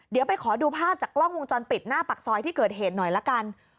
เดี๋ยวไปขอดูภาพจากกล้องวงจรปิดหน้าปากซอยที่เกิดเหตุหน่อยละกัน